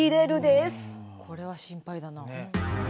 これは心配だな。